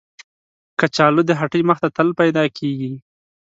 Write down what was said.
کچالو د هټۍ مخ ته تل پیدا کېږي